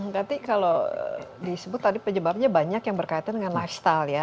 berarti kalau disebut tadi penyebabnya banyak yang berkaitan dengan lifestyle ya